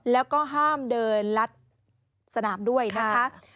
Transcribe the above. แล้วก็ห้ามเดินลัดสนามด้วยนะคะ